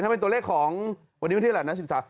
เป็นตัวเลขของวันนี้วันที่อะไรนะ